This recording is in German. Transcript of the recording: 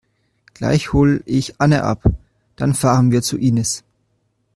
Gleich hol ich Anne ab. Dann fahren wir zu Inis.